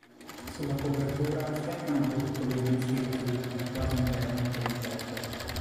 Sulla copertura svettano due piccoli obelischi costruiti quasi interamente in cotto.